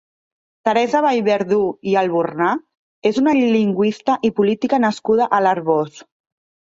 Teresa Vallverdú i Albornà és una lingüista i política nascuda a l'Arboç.